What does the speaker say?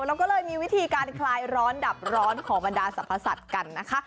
เราก็เลยมีวิธีการคลายร้อนดับร้อนของบรรดาสรรพสัตว์กันนะคะ